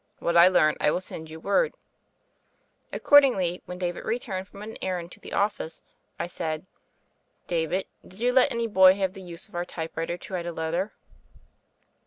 What I learn I will send you word." Accordingly, when David returned from an errand to the office, I said: "David, did you let any boy have the use of our typewriter to write a letter?"